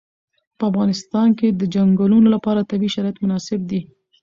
په افغانستان کې د چنګلونه لپاره طبیعي شرایط مناسب دي.